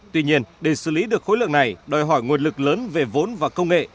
tuy nhiên để xử lý được khối lượng này đòi hỏi nguồn lực lớn về vốn và công nghệ